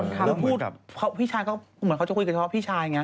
แล้วพูดเหมือนเขาจะคุยกับพี่ชาย